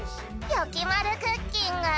「よきまるクッキング」